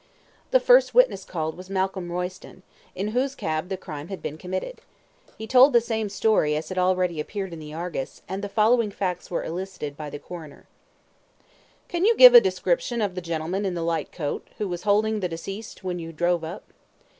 The first witness called was Malcolm Royston, in whose cab the crime had been committed. He told the same story as had already appeared in the ARGUS, and the following facts were elicited by the Coroner: Q. Can you give a description of the gentleman in the light coat, who was holding the deceased when you drove up?